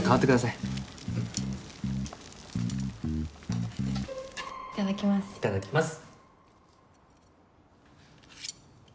いただきます。